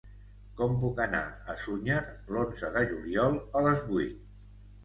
Com puc anar a Sunyer l'onze de juliol a les vuit?